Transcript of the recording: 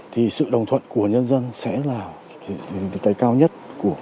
thì sự đồng thuận của nhân dân sẽ là cái cao nhất của